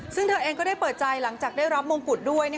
ซึ่งเธอเองก็ได้เปิดใจหลังจากได้รับมงกุฎด้วย